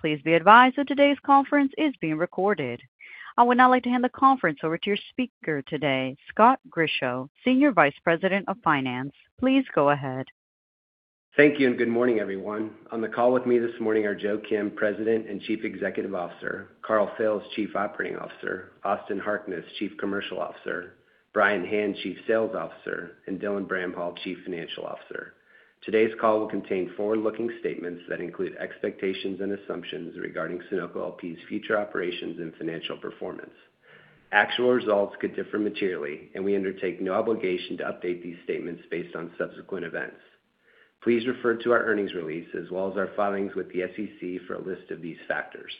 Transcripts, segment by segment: Please be advised that today's conference is being recorded. I would now like to hand the conference over to your speaker today, Scott Grischow, Senior Vice President of Finance. Please go ahead. Thank you, and good morning, everyone. On the call with me this morning are Joe Kim, President and Chief Executive Officer; Karl Fails, Chief Operating Officer; Austin Harkness, Chief Commercial Officer; Brian Hand, Chief Sales Officer; and Dylan Bramhall, Chief Financial Officer. Today's call will contain forward-looking statements that include expectations and assumptions regarding Sunoco LP's future operations and financial performance. Actual results could differ materially, and we undertake no obligation to update these statements based on subsequent events. Please refer to our earnings release as well as our filings with the SEC for a list of these factors.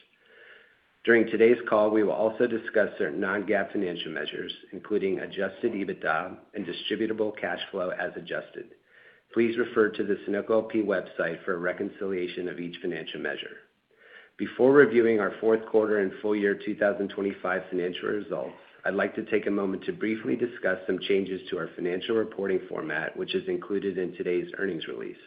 During today's call, we will also discuss certain non-GAAP financial measures, Adjusted EBITDA and Distributable Cash Flow as adjusted. Please refer to the Sunoco LP website for a reconciliation of each financial measure. Before reviewing our Q4 and full year 2025 financial results, I'd like to take a moment to briefly discuss some changes to our financial reporting format, which is included in today's earnings release.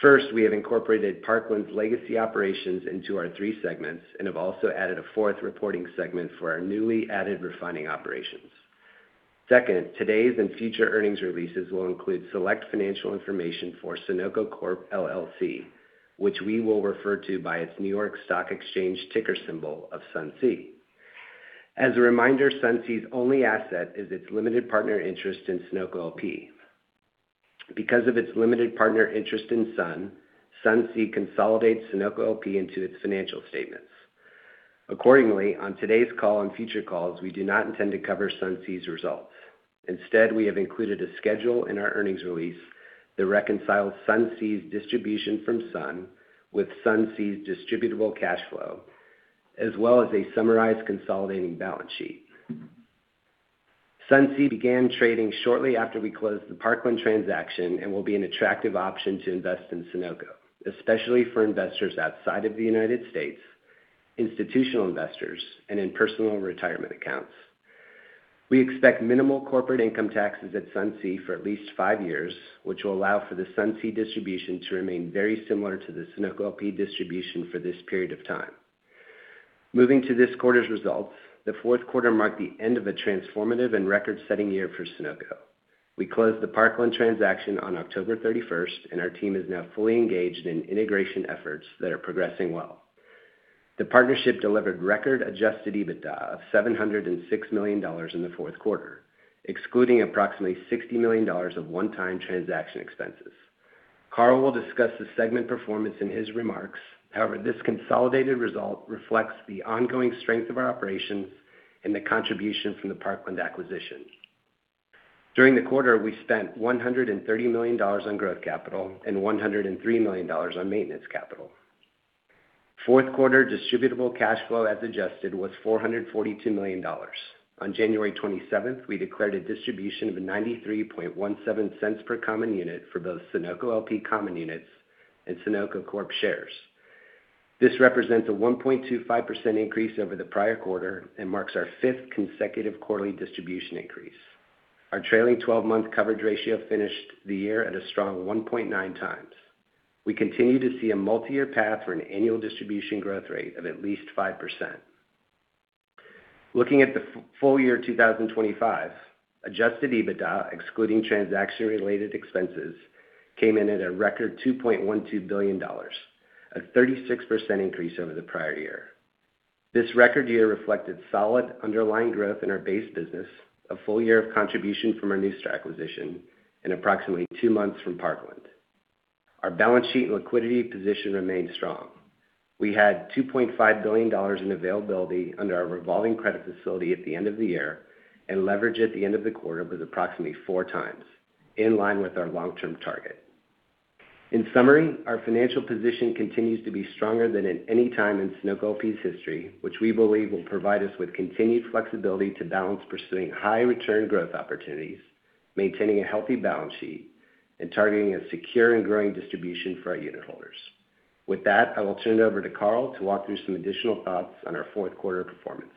First, we have incorporated Parkland's legacy operations into our three segments and have also added a fourth reporting segment for our newly added refining operations. Second, today's and future earnings releases will include select financial information for Sunoco Corp LLC, which we will refer to by its New York Stock Exchange ticker symbol of SUNC. As a reminder, SUNC's only asset is its limited partner interest in Sunoco LP. Because of its limited partner interest in Sun, SUNC consolidates Sunoco LP into its financial statements. Accordingly, on today's call and future calls, we do not intend to cover SUNC's results. Instead, we have included a schedule in our earnings release that reconciles SUNC's distribution from Sun with SUNC's Distributable Cash Flow, as well as a summarized consolidating balance sheet. SUNC began trading shortly after we closed the Parkland transaction and will be an attractive option to invest in Sunoco, especially for investors outside of the United States, institutional investors, and in personal retirement accounts. We expect minimal corporate income taxes at SUNC for at least five years, which will allow for the SUNC distribution to remain very similar to the Sunoco LP distribution for this period of time. Moving to this quarter's results, the Q4 marked the end of a transformative and record-setting year for Sunoco. We closed the Parkland transaction on October thirty-first, and our team is now fully engaged in integration efforts that are progressing well. The partnership delivered record Adjusted EBITDA of $706 million in the Q4, excluding approximately $60 million of one-time transaction expenses. Karl will discuss the segment performance in his remarks. However, this consolidated result reflects the ongoing strength of our operations and the contribution from the Parkland acquisition. During the quarter, we spent $130 million on growth capital and $103 million on maintenance capital. Q4 Distributable Cash Flow, as adjusted, was $442 million. On January 27, we declared a distribution of $0.9317 per common unit for both Sunoco LP common units and Sunoco Corp shares. This represents a 1.25% increase over the prior quarter and marks our fifth consecutive quarterly distribution increase. Our trailing twelve-month coverage ratio finished the year at a strong 1.9 times. We continue to see a multi-year path for an annual distribution growth rate of at least 5%. Looking at the full year 2025, Adjusted EBITDA, excluding transaction-related expenses, came in at a record $2.12 billion, a 36% increase over the prior year. This record year reflected solid underlying growth in our base business, a full year of contribution from our new acquisition, and approximately 2 months from Parkland. Our balance sheet and liquidity position remained strong. We had $2.5 billion in availability under our revolving credit facility at the end of the year, and leverage at the end of the quarter was approximately 4x, in line with our long-term target. In summary, our financial position continues to be stronger than at any time in Sunoco LP's history, which we believe will provide us with continued flexibility to balance pursuing high return growth opportunities, maintaining a healthy balance sheet, and targeting a secure and growing distribution for our unitholders. With that, I will turn it over to Karl to walk through some additional thoughts on our Q4 performance.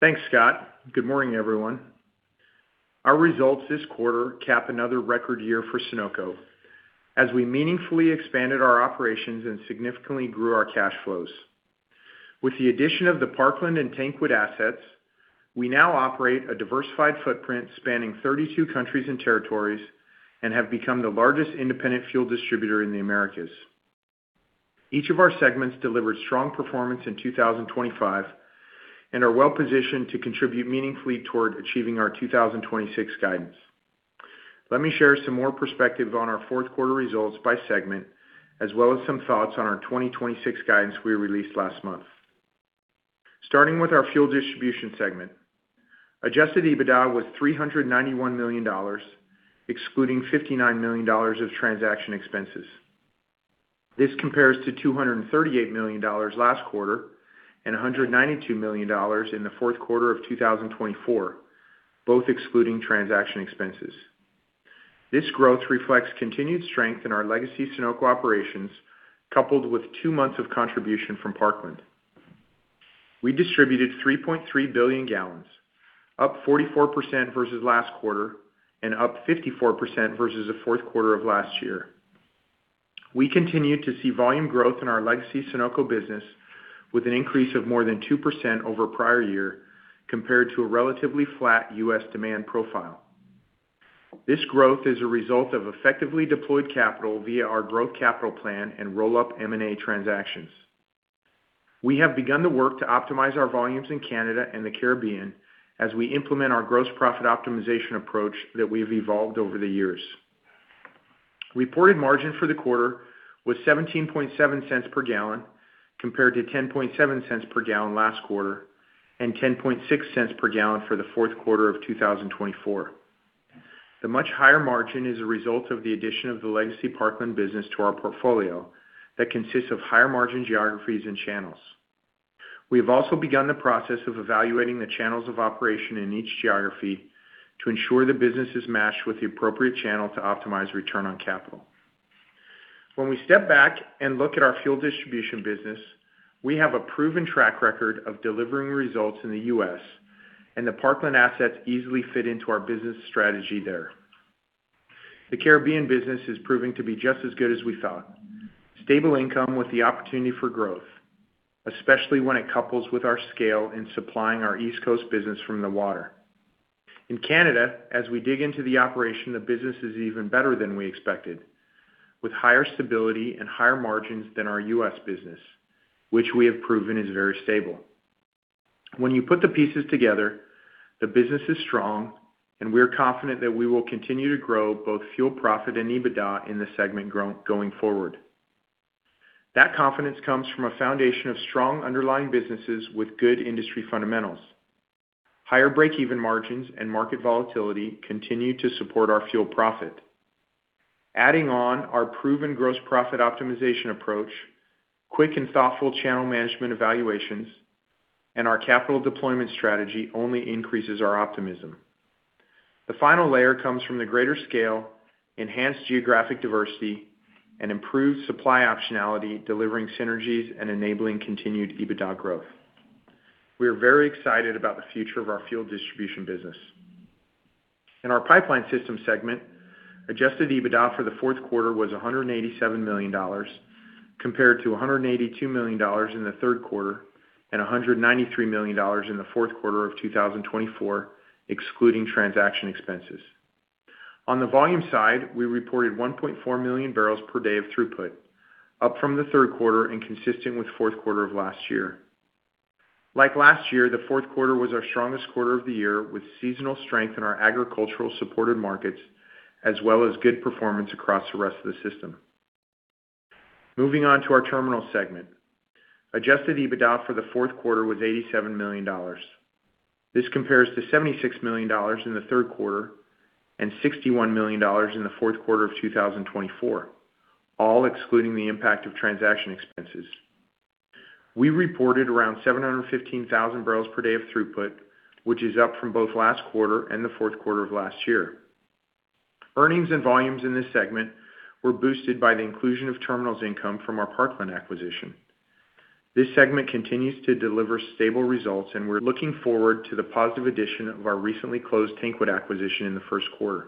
Thanks, Scott. Good morning, everyone. Our results this quarter cap another record year for Sunoco as we meaningfully expanded our operations and significantly grew our cash flows. With the addition of the Parkland and Tankwood assets, we now operate a diversified footprint spanning 32 countries and territories and have become the largest independent fuel distributor in the Americas. Each of our segments delivered strong performance in 2025 and are well-positioned to contribute meaningfully toward achieving our 2026 guidance. Let me share some more perspective on our Q4 results by segment, as well as some thoughts on our 2026 guidance we released last month. Starting with our fuel distribution Adjusted EBITDA was $391 million, excluding $59 million of transaction expenses. This compares to $238 million last quarter and $192 million in the Q4 of 2024, both excluding transaction expenses. This growth reflects continued strength in our legacy Sunoco operations, coupled with two months of contribution from Parkland.... We distributed 3.3 billion gallons, up 44% versus last quarter and up 54% versus the Q4 of last year. We continued to see volume growth in our legacy Sunoco business, with an increase of more than 2% over prior year, compared to a relatively flat U.S. demand profile. This growth is a result of effectively deployed capital via our growth capital plan and roll-up M&A transactions. We have begun the work to optimize our volumes in Canada and the Caribbean as we implement our gross profit optimization approach that we've evolved over the years. Reported margin for the quarter was $0.177 per gallon, compared to $0.107 per gallon last quarter, and $0.106 per gallon for the Q4 of 2024. The much higher margin is a result of the addition of the legacy Parkland business to our portfolio that consists of higher-margin geographies and channels. We have also begun the process of evaluating the channels of operation in each geography to ensure the business is matched with the appropriate channel to optimize return on capital. When we step back and look at our fuel distribution business, we have a proven track record of delivering results in the U.S., and the Parkland assets easily fit into our business strategy there. The Caribbean business is proving to be just as good as we thought. Stable income with the opportunity for growth, especially when it couples with our scale in supplying our East Coast business from the water. In Canada, as we dig into the operation, the business is even better than we expected, with higher stability and higher margins than our U.S. business, which we have proven is very stable. When you put the pieces together, the business is strong, and we are confident that we will continue to grow both fuel profit and EBITDA in this segment growing going forward. That confidence comes from a foundation of strong underlying businesses with good industry fundamentals. Higher break-even margins and market volatility continue to support our fuel profit. Adding on our proven gross profit optimization approach, quick and thoughtful channel management evaluations, and our capital deployment strategy only increases our optimism. The final layer comes from the greater scale, enhanced geographic diversity, and improved supply optionality, delivering synergies and enabling continued EBITDA growth. We are very excited about the future of our fuel distribution business. In our pipeline system segment, Adjusted EBITDA for the Q4 was $187 million, compared to $182 million in the Q3, and $193 million in the Q4 of 2024, excluding transaction expenses. On the volume side, we reported 1.4 million barrels per day of throughput, up from the Q3 and consistent with Q4 of last year. Like last year, the Q4 was our strongest quarter of the year, with seasonal strength in our agricultural-supported markets, as well as good performance across the rest of the system. Moving on to our terminal segment. Adjusted EBITDA for the Q4 was $87 million. This compares to $76 million in the Q3 and $61 million in the Q4 of 2024, all excluding the impact of transaction expenses. We reported around 715,000 barrels per day of throughput, which is up from both last quarter and the Q4 of last year. Earnings and volumes in this segment were boosted by the inclusion of terminals income from our Parkland acquisition. This segment continues to deliver stable results, and we're looking forward to the positive addition of our recently closed Tankwood acquisition in the Q1.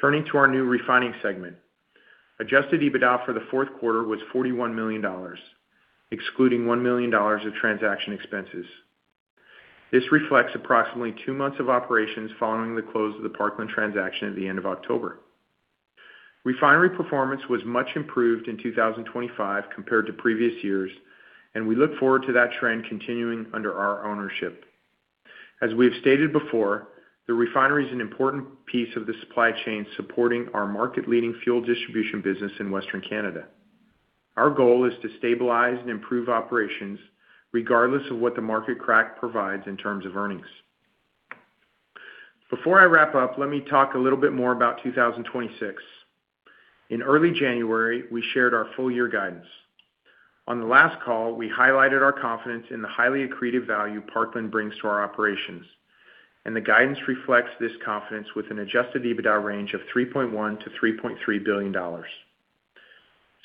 Turning to our new refining segment. Adjusted EBITDA for the Q4 was $41 million, excluding $1 million of transaction expenses. This reflects approximately two months of operations following the close of the Parkland transaction at the end of October. Refinery performance was much improved in 2025 compared to previous years, and we look forward to that trend continuing under our ownership. As we have stated before, the refinery is an important piece of the supply chain, supporting our market-leading fuel distribution business in Western Canada. Our goal is to stabilize and improve operations regardless of what the market crack provides in terms of earnings. Before I wrap up, let me talk a little bit more about 2026. In early January, we shared our full year guidance. On the last call, we highlighted our confidence in the highly accretive value Parkland brings to our operations, and the guidance reflects this confidence with an Adjusted EBITDA range of $3.1 billion-$3.3 billion.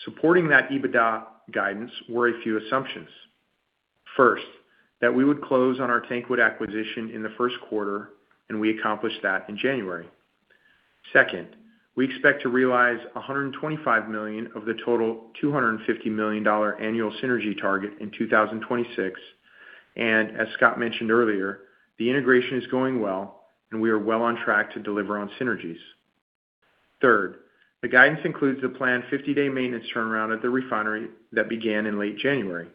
Supporting that Adjusted EBITDA guidance were a few assumptions. First, that we would close on our Tankwood acquisition in the Q1, and we accomplished that in January. Second, we expect to realize $125 million of the total $250 million annual synergy target in 2026, and as Scott mentioned earlier, the integration is going well, and we are well on track to deliver on synergies. Third, the guidance includes the planned 50-day maintenance turnaround at the refinery that began in late January.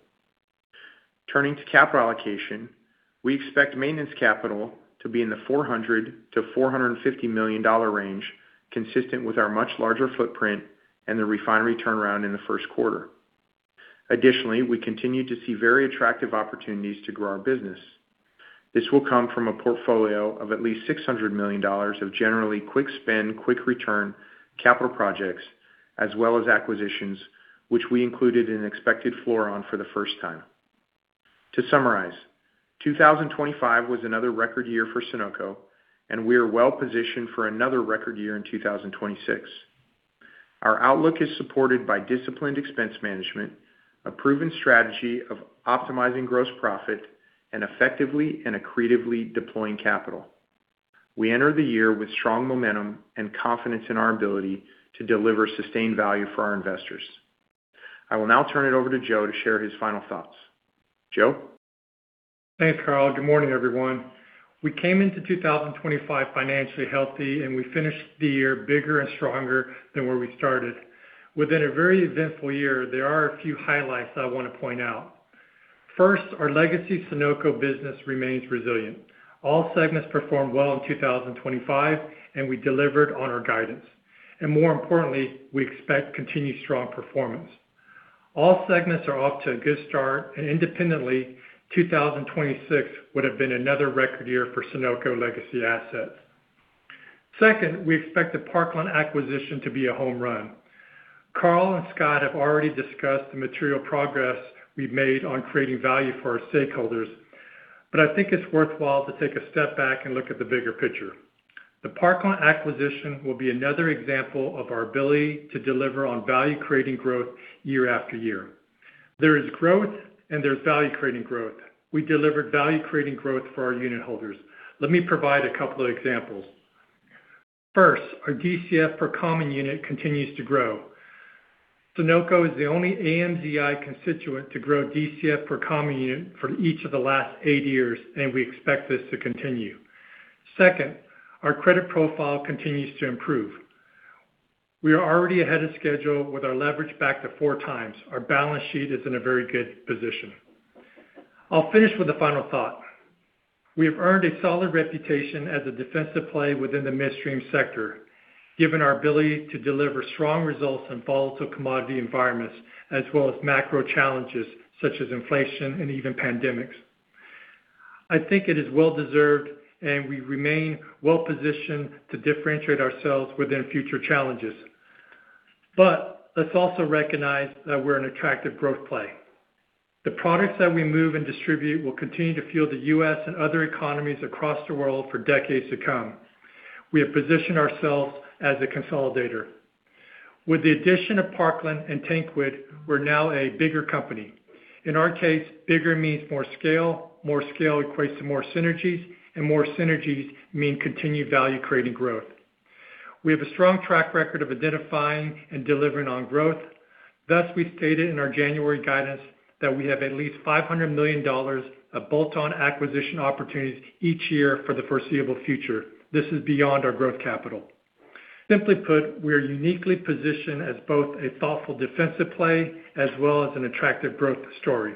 Turning to capital allocation, we expect maintenance capital to be in the $400-$450 million range, consistent with our much larger footprint and the refinery turnaround in the Q1. Additionally, we continue to see very attractive opportunities to grow our business. This will come from a portfolio of at least $600 million of generally quick spend, quick return capital projects, as well as acquisitions, which we included an expected floor on for the first time. To summarize, 2025 was another record year for Sunoco, and we are well positioned for another record year in 2026. ...Our outlook is supported by disciplined expense management, a proven strategy of optimizing gross profit, and effectively and accretively deploying capital. We enter the year with strong momentum and confidence in our ability to deliver sustained value for our investors. I will now turn it over to Joe to share his final thoughts. Joe? Thanks, Karl. Good morning, everyone. We came into 2025 financially healthy, and we finished the year bigger and stronger than where we started. Within a very eventful year, there are a few highlights I want to point out. First, our legacy Sunoco business remains resilient. All segments performed well in 2025, and we delivered on our guidance. And more importantly, we expect continued strong performance. All segments are off to a good start, and independently, 2026 would have been another record year for Sunoco legacy assets. Second, we expect the Parkland acquisition to be a home run. Karl and Scott have already discussed the material progress we've made on creating value for our stakeholders, but I think it's worthwhile to take a step back and look at the bigger picture. The Parkland acquisition will be another example of our ability to deliver on value-creating growth year after year. There is growth, and there's value-creating growth. We delivered value-creating growth for our unitholders. Let me provide a couple of examples. First, our DCF per common unit continues to grow. Sunoco is the only AMZI constituent to grow DCF per common unit for each of the last eight years, and we expect this to continue. Second, our credit profile continues to improve. We are already ahead of schedule with our leverage back to 4x. Our balance sheet is in a very good position. I'll finish with a final thought. We have earned a solid reputation as a defensive play within the midstream sector, given our ability to deliver strong results in volatile commodity environments, as well as macro challenges such as inflation and even pandemics. I think it is well-deserved, and we remain well-positioned to differentiate ourselves within future challenges. But let's also recognize that we're an attractive growth play. The products that we move and distribute will continue to fuel the U.S. and other economies across the world for decades to come. We have positioned ourselves as a consolidator. With the addition of Parkland and Tankwood, we're now a bigger company. In our case, bigger means more scale, more scale equates to more synergies, and more synergies mean continued value-creating growth. We have a strong track record of identifying and delivering on growth. Thus, we stated in our January guidance that we have at least $500 million of bolt-on acquisition opportunities each year for the foreseeable future. This is beyond our growth capital. Simply put, we are uniquely positioned as both a thoughtful defensive play as well as an attractive growth story.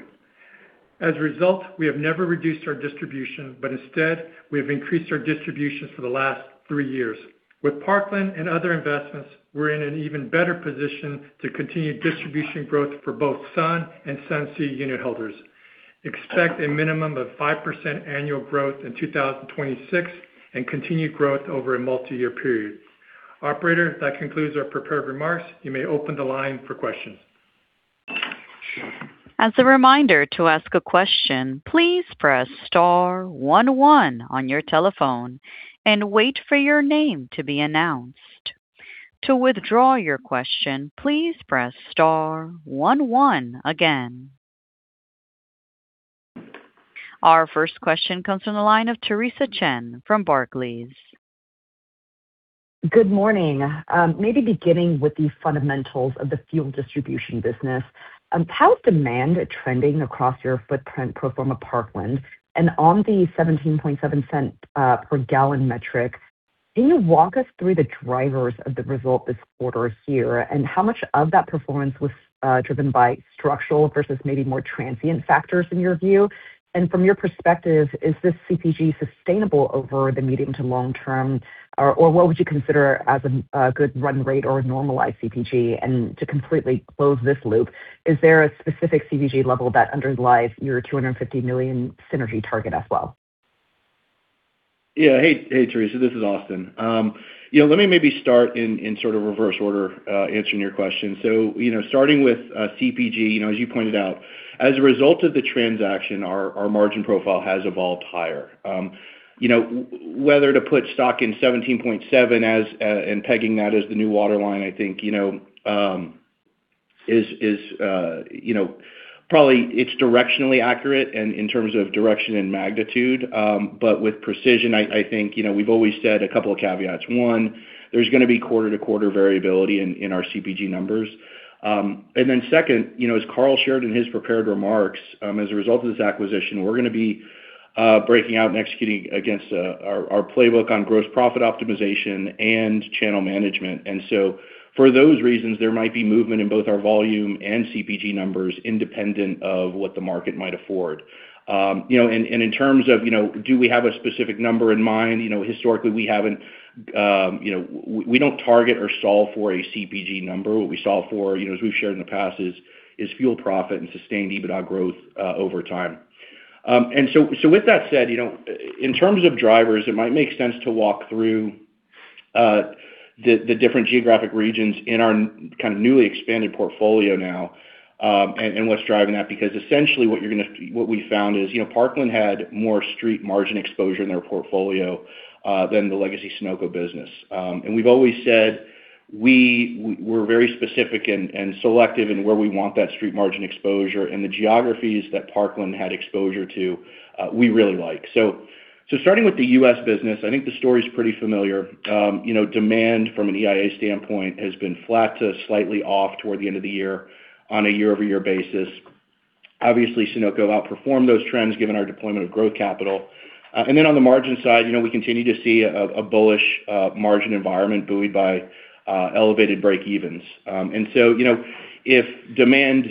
As a result, we have never reduced our distribution, but instead, we have increased our distribution for the last three years. With Parkland and other investments, we're in an even better position to continue distribution growth for both Sun and SUNC unitholders. Expect a minimum of 5% annual growth in 2026, and continued growth over a multiyear period. Operator, that concludes our prepared remarks. You may open the line for questions. As a reminder, to ask a question, please press star one one on your telephone and wait for your name to be announced. To withdraw your question, please press star one one again. Our first question comes from the line of Theresa Chen from Barclays. Good morning. Maybe beginning with the fundamentals of the fuel distribution business, how is demand trending across your footprint pro forma Parkland? And on the 17.7-cent per gallon metric, can you walk us through the drivers of the result this quarter here, and how much of that performance was driven by structural versus maybe more transient factors in your view? And from your perspective, is this CPG sustainable over the medium to long term? Or what would you consider as a good run rate or a normalized CPG? And to completely close this loop, is there a specific CPG level that underlies your $250 million synergy target as well? Yeah. Hey, hey, Theresa, this is Austin. Yeah, let me maybe start in, in sort of reverse order, answering your question. So, you know, starting with CPG, you know, as you pointed out, as a result of the transaction, our margin profile has evolved higher. You know, whether to put stock in 17.7 as, and pegging that as the new waterline, I think, you know, is you know, probably it's directionally accurate and in terms of direction and magnitude, but with precision, I think, you know, we've always said a couple of caveats. One, there's gonna be quarter-to-quarter variability in our CPG numbers. And then second, you know, as Karl shared in his prepared remarks, as a result of this acquisition, we're gonna be breaking out and executing against our playbook on gross profit optimization and channel management. And so for those reasons, there might be movement in both our volume and CPG numbers, independent of what the market might afford. You know, and in terms of, you know, do we have a specific number in mind? You know, historically, we haven't... You know, we don't target or solve for a CPG number. What we solve for, you know, as we've shared in the past, is fuel profit and sustained EBITDA growth over time. And so, so with that said, you know, in terms of drivers, it might make sense to walk through the different geographic regions in our kind of newly expanded portfolio now, and what's driving that. Because essentially, what we found is, you know, Parkland had more street margin exposure in their portfolio than the legacy Sunoco business. And we've always said we're very specific and selective in where we want that street margin exposure and the geographies that Parkland had exposure to, we really like. So starting with the U.S. business, I think the story is pretty familiar. You know, demand from an EIA standpoint has been flat to slightly off toward the end of the year on a year-over-year basis. Obviously, Sunoco outperformed those trends given our deployment of growth capital. And then on the margin side, you know, we continue to see a bullish margin environment buoyed by elevated breakevens. And so, you know, if demand,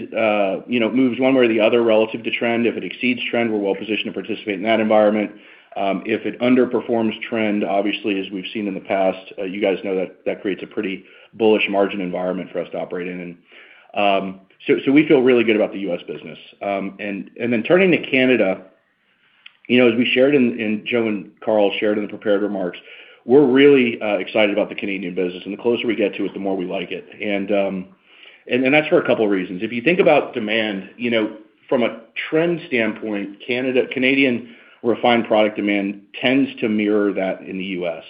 you know, moves one way or the other relative to trend, if it exceeds trend, we're well positioned to participate in that environment. If it underperforms trend, obviously, as we've seen in the past, you guys know that that creates a pretty bullish margin environment for us to operate in. So, so we feel really good about the U.S. business. And, and then turning to Canada, you know, as we shared in, and Joe and Carl shared in the prepared remarks, we're really excited about the Canadian business, and the closer we get to it, the more we like it. And, and that's for a couple reasons. If you think about demand, you know, from a trend standpoint, Canadian refined product demand tends to mirror that in the U.S.,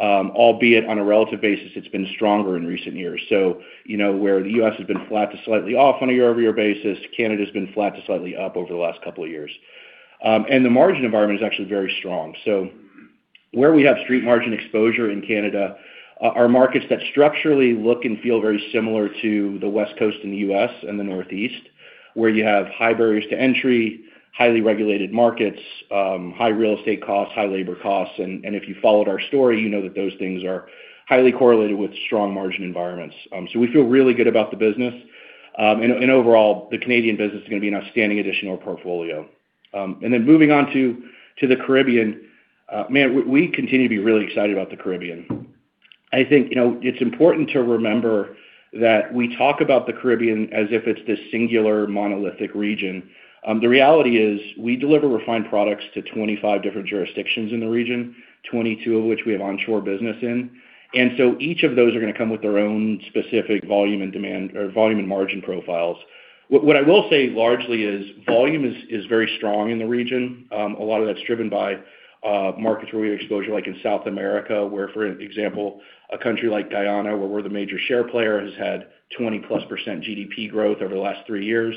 albeit on a relative basis, it's been stronger in recent years. So, you know, where the U.S. has been flat to slightly off on a year-over-year basis, Canada's been flat to slightly up over the last couple of years. The margin environment is actually very strong. So where we have street margin exposure in Canada are markets that structurally look and feel very similar to the West Coast in the U.S. and the Northeast, where you have high barriers to entry, highly regulated markets, high real estate costs, high labor costs. And if you followed our story, you know that those things are highly correlated with strong margin environments. So we feel really good about the business. Overall, the Canadian business is gonna be an outstanding addition to our portfolio. And then moving on to the Caribbean. Man, we continue to be really excited about the Caribbean. I think, you know, it's important to remember that we talk about the Caribbean as if it's this singular, monolithic region. The reality is, we deliver refined products to 25 different jurisdictions in the region, 22 of which we have onshore business in. And so each of those are gonna come with their own specific volume and demand, or volume and margin profiles. What I will say largely is, volume is very strong in the region. A lot of that's driven by markets where we have exposure, like in South America, where, for example, a country like Guyana, where we're the major share player, has had 20+% GDP growth over the last three years.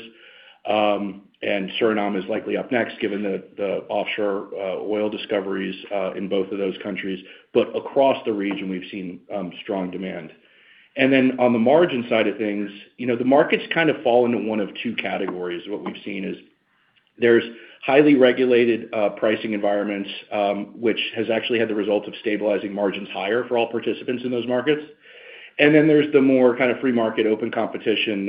And Suriname is likely up next, given the offshore oil discoveries in both of those countries. But across the region, we've seen strong demand. And then on the margin side of things, you know, the markets kind of fall into one of two categories. What we've seen is there's highly regulated pricing environments, which has actually had the result of stabilizing margins higher for all participants in those markets. And then there's the more kind of free market, open competition,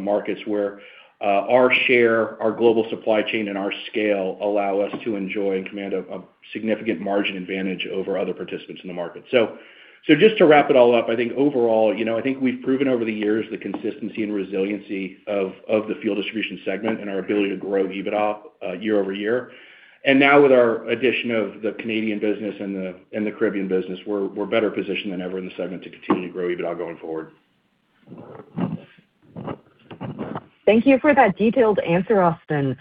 markets, where our share, our global supply chain, and our scale allow us to enjoy and command a significant margin advantage over other participants in the market. So just to wrap it all up, I think overall, you know, I think we've proven over the years the consistency and resiliency of the fuel distribution segment and our ability to grow EBITDA year-over-year. And now with our addition of the Canadian business and the Caribbean business, we're better positioned than ever in the segment to continue to grow EBITDA going forward. Thank you for that detailed answer, Austin.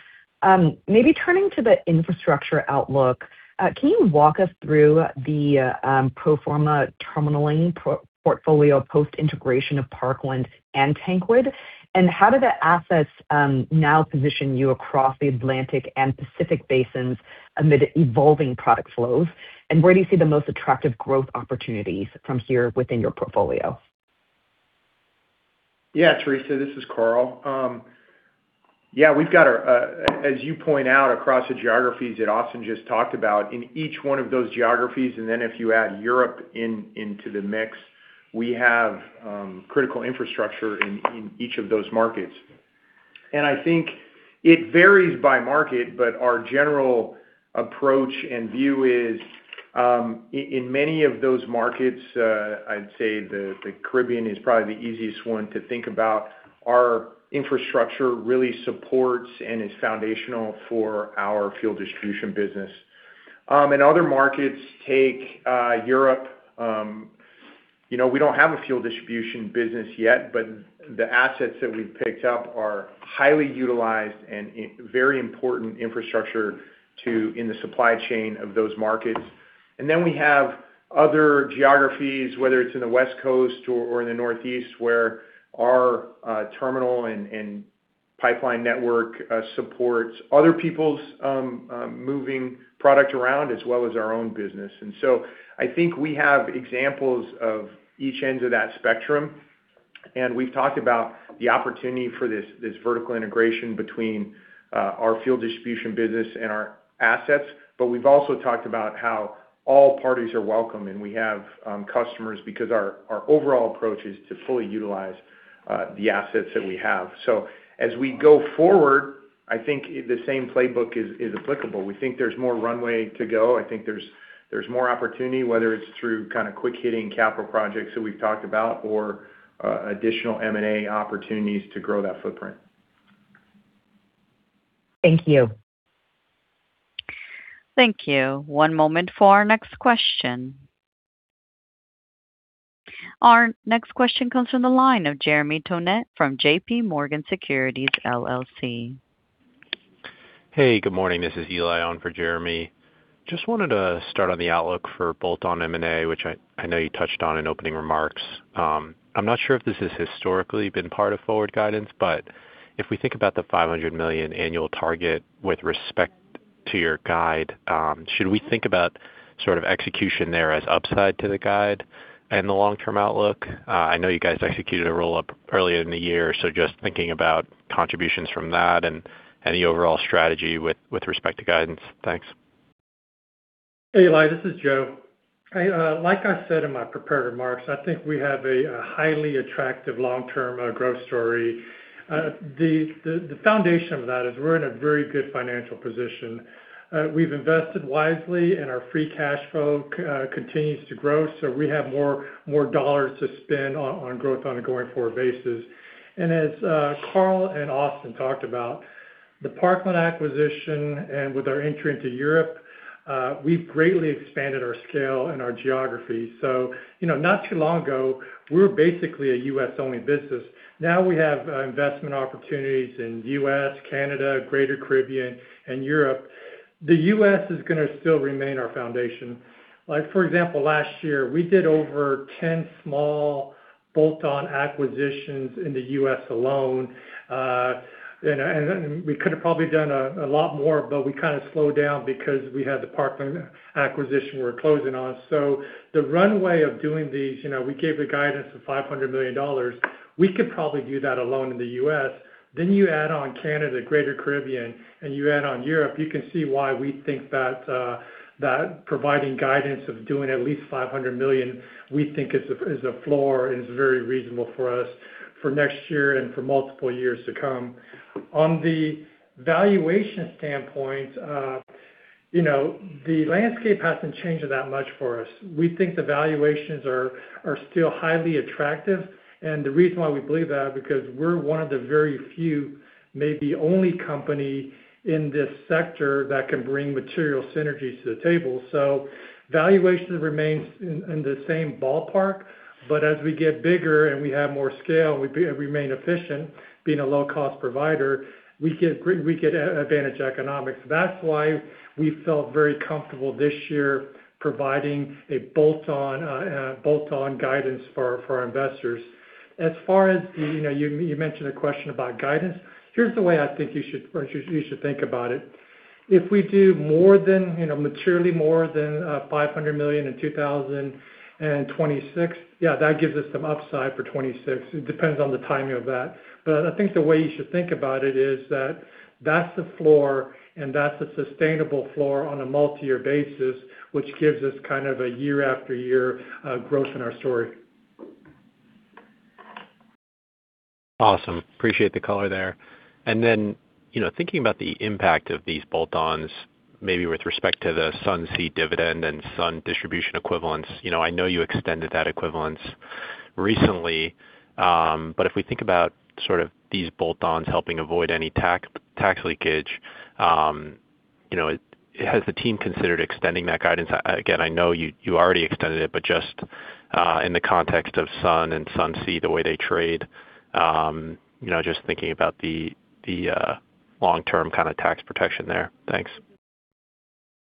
Maybe turning to the infrastructure outlook, can you walk us through the pro forma terminaling portfolio post-integration of Parkland and Tankwood? And how do the assets now position you across the Atlantic and Pacific basins amid evolving product flows? And where do you see the most attractive growth opportunities from here within your portfolio? Yeah, Theresa, this is Karl. Yeah, we've got our, as you point out, across the geographies that Austin just talked about, in each one of those geographies, and then if you add Europe in, into the mix, we have critical infrastructure in each of those markets. And I think it varies by market, but our general approach and view is, in many of those markets, I'd say the Caribbean is probably the easiest one to think about, our infrastructure really supports and is foundational for our fuel distribution business. In other markets, take Europe, you know, we don't have a fuel distribution business yet, but the assets that we've picked up are highly utilized and in very important infrastructure to in the supply chain of those markets. And then we have other geographies, whether it's in the West Coast or in the Northeast, where our terminal and pipeline network supports other people's moving product around, as well as our own business. And so I think we have examples of each ends of that spectrum, and we've talked about the opportunity for this vertical integration between our fuel distribution business and our assets. But we've also talked about how all parties are welcome, and we have customers, because our overall approach is to fully utilize the assets that we have. So as we go forward, I think the same playbook is applicable. We think there's more runway to go. I think there's more opportunity, whether it's through kind of quick-hitting capital projects that we've talked about or additional M&A opportunities to grow that footprint. Thank you. Thank you. One moment for our next question. Our next question comes from the line of Jeremy Tonet from J.P. Morgan Securities LLC. Hey, good morning. This is Eli, on for Jeremy. Just wanted to start on the outlook for bolt-on M&A, which I know you touched on in opening remarks. I'm not sure if this has historically been part of forward guidance, but if we think about the $500 million annual target with respect to your guide, should we think about sort of execution there as upside to the guide and the long-term outlook? I know you guys executed a roll-up earlier in the year, so just thinking about contributions from that and the overall strategy with respect to guidance. Thanks. Hey, Eli, this is Joe. Like I said in my prepared remarks, I think we have a highly attractive long-term growth story. The foundation of that is we're in a very good financial position. We've invested wisely, and our free cash flow continues to grow, so we have more dollars to spend on growth on a going-forward basis. And as Carl and Austin talked about, the Parkland acquisition and with our entry into Europe, we've greatly expanded our scale and our geography. So, you know, not too long ago, we were basically a U.S.-only business. Now, we have investment opportunities in U.S., Canada, Greater Caribbean, and Europe. The U.S. is gonna still remain our foundation. Like, for example, last year, we did over 10 small bolt-on acquisitions in the U.S. alone. We could have probably done a lot more, but we kinda slowed down because we had the Parkland acquisition we're closing on. So the runway of doing these, you know, we gave the guidance of $500 million. We could probably do that alone in the U.S. Then you add on Canada, Greater Caribbean, and you add on Europe, you can see why we think that that providing guidance of doing at least $500 million, we think is a floor and is very reasonable for us for next year and for multiple years to come. On the valuation standpoint, you know, the landscape hasn't changed that much for us. We think the valuations are still highly attractive, and the reason why we believe that, because we're one of the very few, maybe only company in this sector that can bring material synergies to the table. So valuation remains in the same ballpark, but as we get bigger and we have more scale, we remain efficient, being a low-cost provider, we get advantage economics. That's why we felt very comfortable this year, providing a bolt-on guidance for our investors. As far as, you know, you mentioned a question about guidance. Here's the way I think you should, or you should think about it. If we do more than, you know, materially more than $500 million in 2026, yeah, that gives us some upside for 2026. It depends on the timing of that. But I think the way you should think about it is that, that's the floor, and that's a sustainable floor on a multi-year basis, which gives us kind of a year-after-year growth in our story. Awesome. Appreciate the color there. And then, you know, thinking about the impact of these bolt-ons, maybe with respect to the SUNC dividend and Sun distribution equivalents, you know, I know you extended that equivalence recently, but if we think about sort of these bolt-ons helping avoid any tax leakage, you know, has the team considered extending that guidance? Again, I know you already extended it, but just, in the context of Sun and SUNC, the way they trade, you know, just thinking about the long-term kind of tax protection there. Thanks.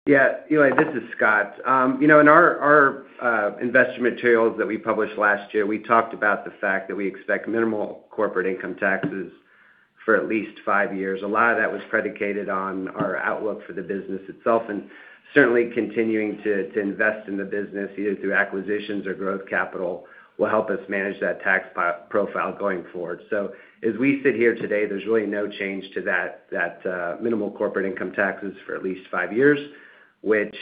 Yeah, Eli, this is Scott. You know, in our, our investment materials that we published last year, we talked about the fact that we expect minimal corporate income taxes for at least five years. A lot of that was predicated on our outlook for the business itself, and certainly continuing to invest in the business, either through acquisitions or growth capital, will help us manage that tax profile going forward. So as we sit here today, there's really no change to that minimal corporate income taxes for at least five years, which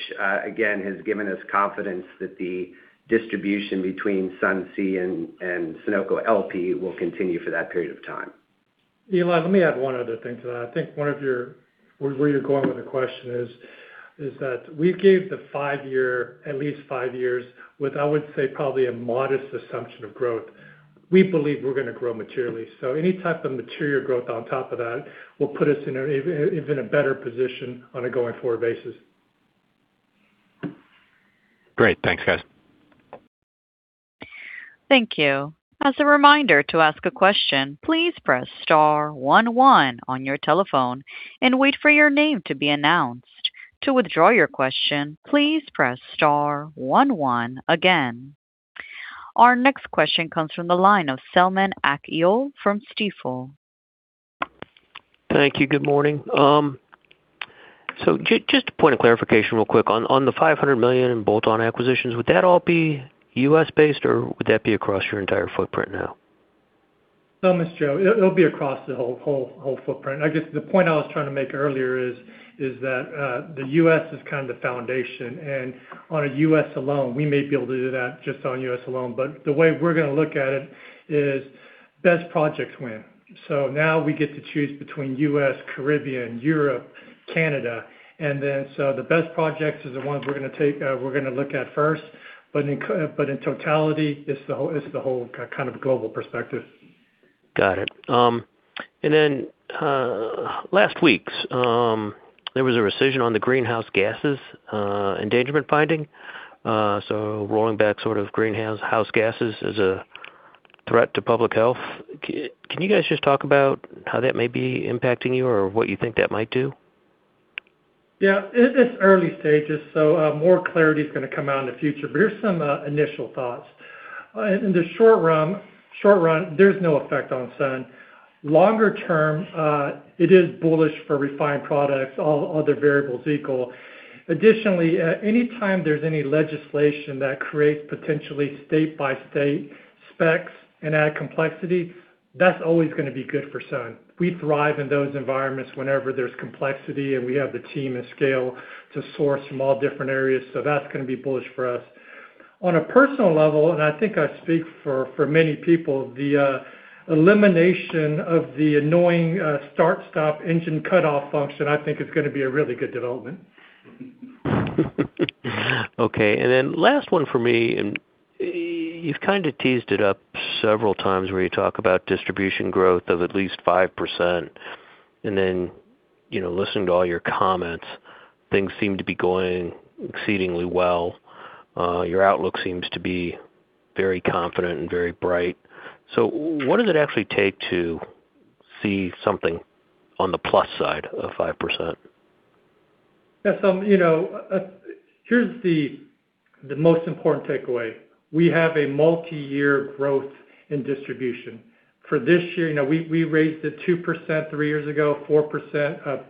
again has given us confidence that the distribution between SUNC and Sunoco LP will continue for that period of time. Eli, let me add one other thing to that. I think one of your... where you're going with the question is that we gave the five year, at least five years, with, I would say, probably a modest assumption of growth. We believe we're gonna grow materially, so any type of material growth on top of that will put us in an even a better position on a going-forward basis. Great. Thanks, guys. Thank you. As a reminder, to ask a question, please press star one one on your telephone and wait for your name to be announced. To withdraw your question, please press star one one again. Our next question comes from the line of Selman Akyol from Stifel. Thank you. Good morning. So just a point of clarification real quick. On the $500 million in bolt-on acquisitions, would that all be U.S.-based, or would that be across your entire footprint now? No, Mr. Akyol, it'll be across the whole footprint. I guess the point I was trying to make earlier is that the U.S. is kind of the foundation, and on a U.S. alone, we may be able to do that just on U.S. alone, but the way we're gonna look at it is best projects win. So now we get to choose between U.S., Caribbean, Europe, Canada. And then, so the best projects is the ones we're gonna take, we're gonna look at first, but in totality, it's the whole kind of global perspective. Got it. And then, last week, there was a rescission on the Greenhouse Gas Endangerment Finding. So rolling back sort of greenhouse gases is a threat to public health. Can you guys just talk about how that may be impacting you or what you think that might do? Yeah, it's early stages, so more clarity is gonna come out in the future. But here's some initial thoughts. In the short run, there's no effect on Sun. Longer term, it is bullish for refined products, all other variables equal. Additionally, at any time there's any legislation that creates potentially state-by-state specs and add complexity, that's always gonna be good for Sun. We thrive in those environments whenever there's complexity, and we have the team and scale to source from all different areas, so that's gonna be bullish for us. On a personal level, and I think I speak for many people, the elimination of the annoying start-stop engine cutoff function, I think is gonna be a really good development. Okay. And then last one for me, and you've kind of teased it up several times where you talk about distribution growth of at least 5%. And then, you know, listening to all your comments, things seem to be going exceedingly well. Your outlook seems to be very confident and very bright. So what does it actually take to see something on the plus side of 5%? Yeah, so, you know, here's the most important takeaway. We have a multiyear growth in distribution. For this year, you know, we raised it 2% three years ago, 4%,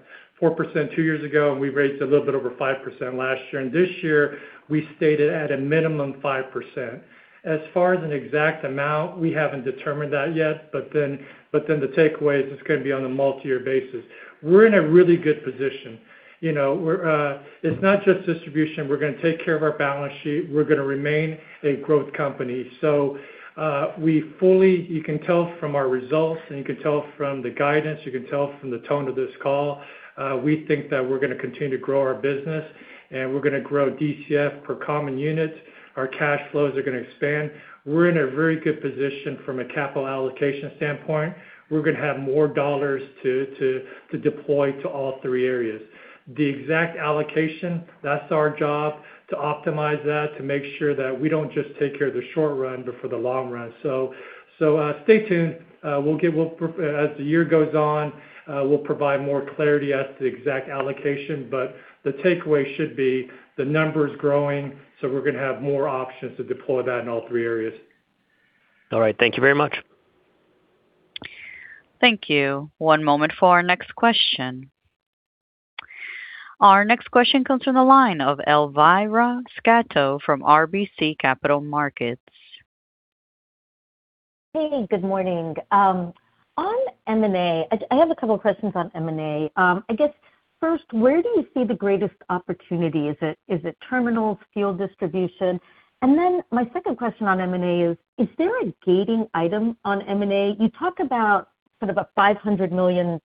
4% two years ago, and we raised a little bit over 5% last year. And this year, we stated at a minimum 5%. As far as an exact amount, we haven't determined that yet, but then the takeaway is it's gonna be on a multiyear basis. We're in a really good position. You know, we're... It's not just distribution. We're gonna take care of our balance sheet. We're gonna remain a growth company. So, you can tell from our results, and you can tell from the guidance, you can tell from the tone of this call, we think that we're gonna continue to grow our business, and we're gonna grow DCF per common unit. Our cash flows are gonna expand. We're in a very good position from a capital allocation standpoint. We're gonna have more dollars to deploy to all three areas. The exact allocation, that's our job to optimize that, to make sure that we don't just take care of the short run, but for the long run. So, stay tuned, as the year goes on, we'll provide more clarity as to the exact allocation, but the takeaway should be the number is growing, so we're gonna have more options to deploy that in all three areas. All right. Thank you very much. Thank you. One moment for our next question. Our next question comes from the line of Elvira Scotto from RBC Capital Markets. Hey, good morning. On M&A, I have a couple questions on M&A. I guess, first, where do you see the greatest opportunity? Is it terminal fuel distribution? And then my second question on M&A is: Is there a gating item on M&A? You talk about sort of a $500 million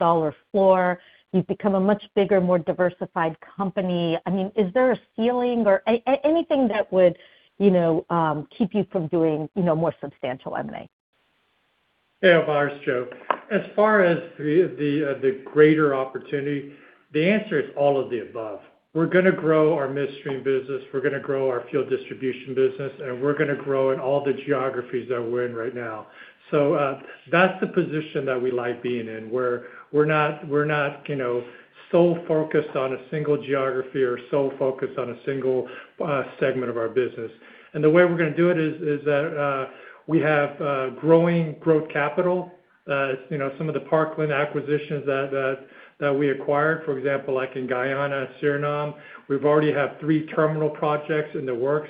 floor. You've become a much bigger, more diversified company. I mean, is there a ceiling or anything that would, you know, keep you from doing, you know, more substantial M&A? Hey, Elvira Scotto. As far as the greater opportunity, the answer is all of the above. We're gonna grow our midstream business, we're gonna grow our fuel distribution business, and we're gonna grow in all the geographies that we're in right now. So, that's the position that we like being in, where we're not, you know, so focused on a single geography or so focused on a single segment of our business. And the way we're gonna do it is that we have growing growth capital. You know, some of the Parkland acquisitions that we acquired, for example, like in Guyana, Suriname, we've already have 3 terminal projects in the works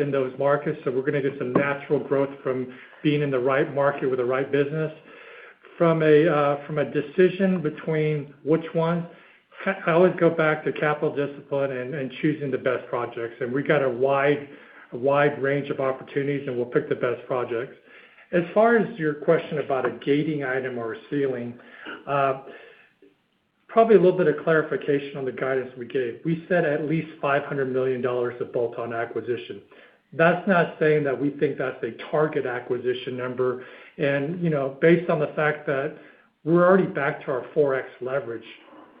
in those markets. So we're gonna get some natural growth from being in the right market with the right business. From a decision between which one, I always go back to capital discipline and choosing the best projects, and we've got a wide, a wide range of opportunities, and we'll pick the best projects. As far as your question about a gating item or a ceiling, probably a little bit of clarification on the guidance we gave. We said at least $500 million of bolt-on acquisition. That's not saying that we think that's a target acquisition number, and, you know, based on the fact that we're already back to our 4x leverage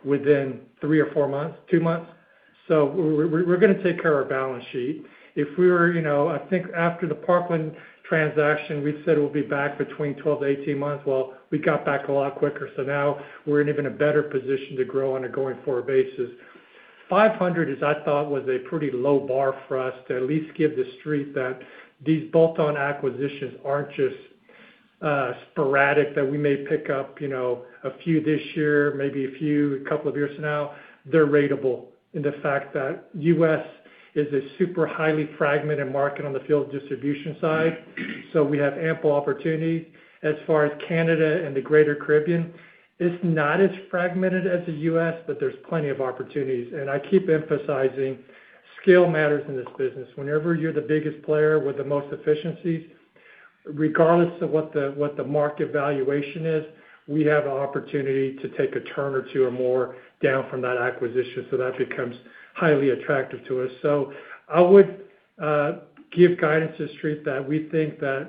within 3 or 4 months, 2 months. So we're gonna take care of our balance sheet. If we were, you know, I think after the Parkland transaction, we said we'll be back between 12-18 months. Well, we got back a lot quicker, so now we're in even a better position to grow on a going-forward basis. 500, as I thought, was a pretty low bar for us to at least give the street that these bolt-on acquisitions aren't just sporadic, that we may pick up, you know, a few this year, maybe a few, a couple of years from now. They're ratable in the fact that U.S. is a super highly fragmented market on the fuel distribution side, so we have ample opportunity. As far as Canada and the Greater Caribbean, it's not as fragmented as the U.S., but there's plenty of opportunities. And I keep emphasizing, scale matters in this business. Whenever you're the biggest player with the most efficiencies, regardless of what the market valuation is, we have an opportunity to take a turn or two or more down from that acquisition, so that becomes highly attractive to us. So I would give guidance to the Street that we think that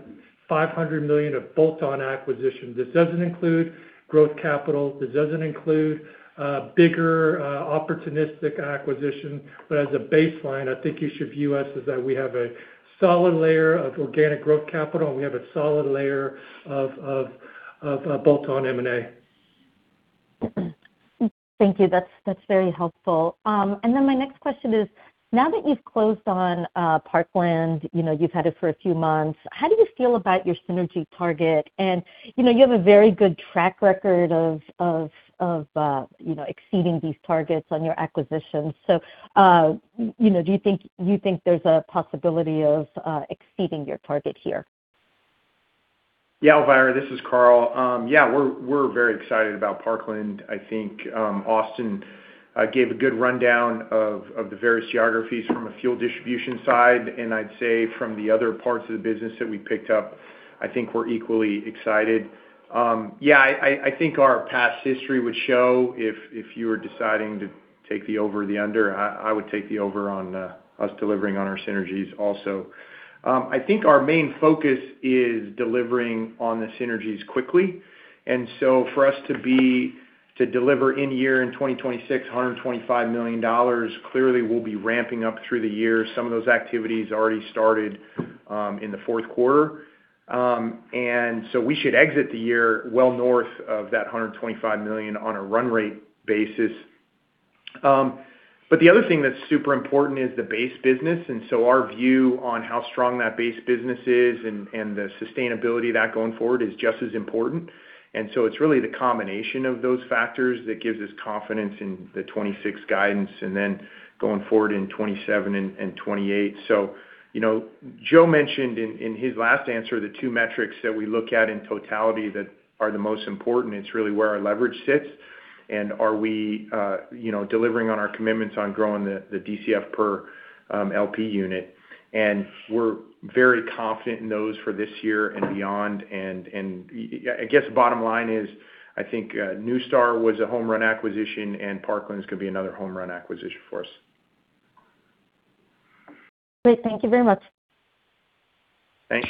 $500 million of bolt-on acquisitions. This doesn't include growth capital, this doesn't include bigger opportunistic acquisition. But as a baseline, I think you should view us as that we have a solid layer of organic growth capital, and we have a solid layer of bolt-on M&A.... Thank you. That's, that's very helpful. And then my next question is, now that you've closed on Parkland, you know, you've had it for a few months, how do you feel about your synergy target? And, you know, you have a very good track record of exceeding these targets on your acquisitions. So, you know, do you think—do you think there's a possibility of exceeding your target here? Yeah, Elvira, this is Karl. Yeah, we're very excited about Parkland. I think Austin gave a good rundown of the various geographies from a fuel distribution side, and I'd say from the other parts of the business that we picked up, I think we're equally excited. Yeah, I think our past history would show if you were deciding to take the over or the under, I would take the over on us delivering on our synergies also. I think our main focus is delivering on the synergies quickly, and so for us to deliver in 2026, $125 million, clearly we'll be ramping up through the year. Some of those activities already started in the Q4. And so we should exit the year well north of that $125 million on a run rate basis. But the other thing that's super important is the base business, and so our view on how strong that base business is and the sustainability of that going forward is just as important. And so it's really the combination of those factors that gives us confidence in the 2026 guidance, and then going forward in 2027 and 2028. So, you know, Joe mentioned in his last answer, the two metrics that we look at in totality that are the most important. It's really where our leverage sits, and are we, you know, delivering on our commitments on growing the DCF per LP unit? And we're very confident in those for this year and beyond. I guess the bottom line is, I think, NuStar was a home run acquisition, and Parkland's gonna be another home run acquisition for us. Great. Thank you very much. Thanks.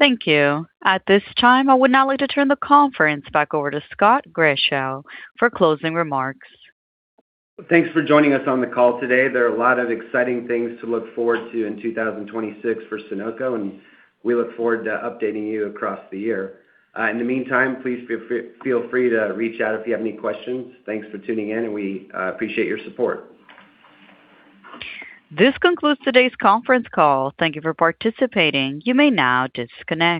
Thank you. At this time, I would now like to turn the conference back over to Scott Grischow for closing remarks. Thanks for joining us on the call today. There are a lot of exciting things to look forward to in 2026 for Sunoco, and we look forward to updating you across the year. In the meantime, please feel free to reach out if you have any questions. Thanks for tuning in, and we appreciate your support. This concludes today's conference call. Thank you for participating. You may now disconnect.